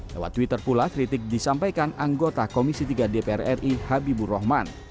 lewat twitter pula kritik disampaikan anggota komisi tiga dpr ri habibur rahman